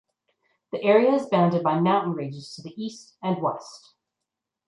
The area is bounded by mountain ranges to the east and west.